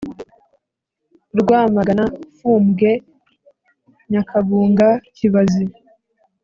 Rwamagana fumbwe nyakagunga kibazi